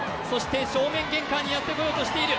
正面玄関にやってこようとしている。